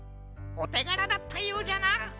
おてがらだったようじゃな。